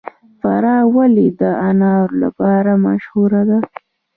فراه ولې د انارو لپاره مشهوره ده؟